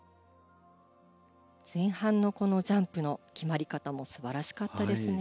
前半のジャンプの決まり方も素晴らしかったです。